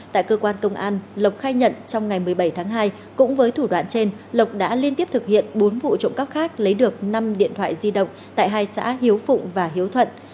tại cơ quan công an lộc khai nhận trong ngày một mươi bảy tháng hai cũng với thủ đoạn trên lộc đã liên tiếp thực hiện bốn vụ trộm cắp khác lấy được năm điện thoại di động tại hai xã hiếu phụng và hiếu thuận